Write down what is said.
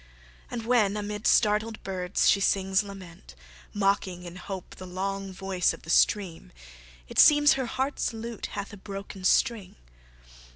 And when amid startled birds she sings lament, Mocking in hope the long voice of the stream, It seems her heart's lute hath a broken string.